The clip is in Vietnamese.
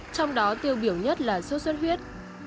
trong đó tiêu biểu nhất là sốt xuất huyết